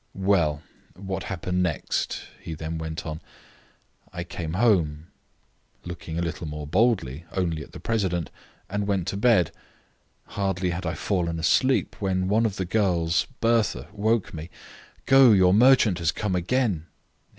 "Well! What happened next?" he then went on. "I came home," looking a little more boldly only at the president, "and went to bed. Hardly had I fallen asleep when one of our girls, Bertha, woke me. 'Go, your merchant has come again!